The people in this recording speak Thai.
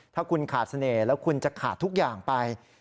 ถ้าคุณขาดเสน่ห์แล้วคุณจะขาดทุกอย่างไป